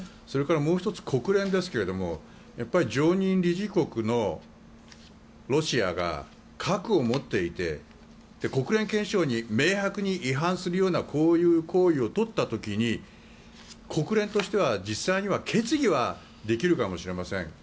それから、もう１つ国連ですがやっぱり常任理事国のロシアが核を持っていて国連憲章に明白に違反するようなこういう行為をとった時に国連としては、実際には決議はできるかもしれません。